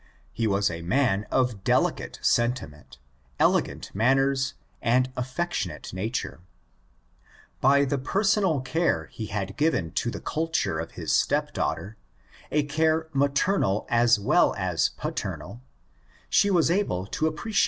He was a man of delicate sentiment, elegant manr ners, and affectionate nature. By the personal care he had given to the culture of his stepdaughter, a care maternal as ^ Carlyle told me of the burning of the MS.